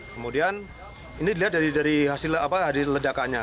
kemudian ini dilihat dari hasil ledakannya